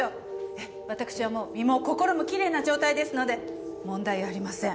ええ私はもう身も心もきれいな状態ですので問題ありません。